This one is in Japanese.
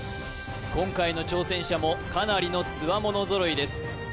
今回の挑戦者もかなりのつわもの揃いです